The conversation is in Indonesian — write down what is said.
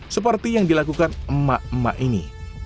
seperti yang dilakukan emak emak ini